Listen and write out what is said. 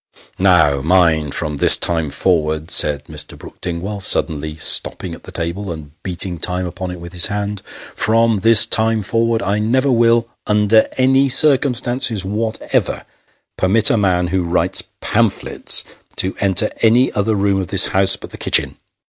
251 " Now mind ; from this time forward," said Mr. Brook Dingwall, suddenly stopping at the table, and beating time upon it with his hand ;" from this time forward, I never will, under any circumstances whatever, permit a man who writes pamphlets to enter any other room of this house but the kitchen.